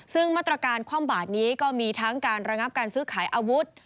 ซึ่งมาตรการคว่ำบาดนี้ก็มีทั้งการระงับการซื้อขายอาวุธ